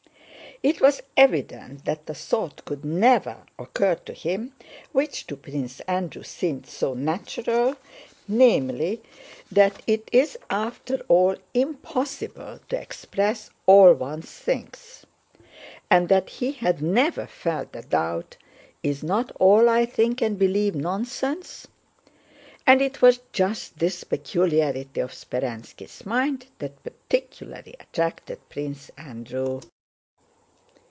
It was evident that the thought could never occur to him which to Prince Andrew seemed so natural, namely, that it is after all impossible to express all one thinks; and that he had never felt the doubt, "Is not all I think and believe nonsense?" And it was just this peculiarity of Speránski's mind that particularly attracted Prince Andrew.